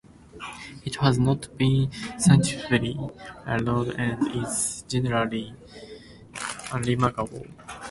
It has not been significantly eroded, and is generally unremarkable.